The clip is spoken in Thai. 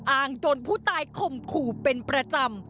จนผู้ตายข่มขู่เป็นประจำ